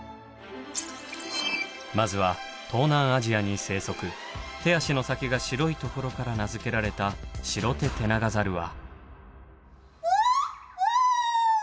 まずは東南アジアに生息手足の先が白いところから名付けられたシロテテナガザルは。